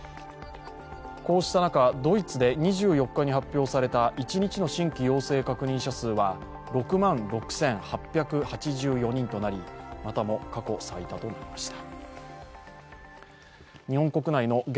こうした中、ドイツで２４日に発表された一日の新規陽性確認者数は６万６８８４人となりまたも過去最多となりました。